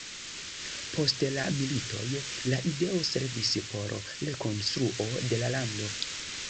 Post la militoj, la ideo servis por rekonstruo de la lando.